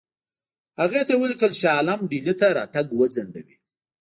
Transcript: هغې ته یې ولیکل چې شاه عالم ډهلي ته راتګ وځنډوي.